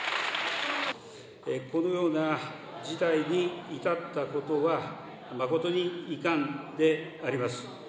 このような事態に至ったことは、誠に遺憾であります。